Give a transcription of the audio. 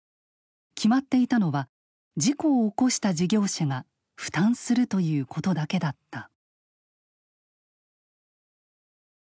決まっていたのは事故を起こした事業者が負担するということだけだった。